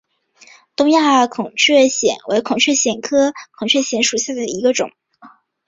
东亚孔雀藓为孔雀藓科孔雀藓属下的一个种。